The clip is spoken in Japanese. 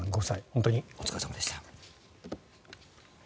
本当にお疲れ様でした。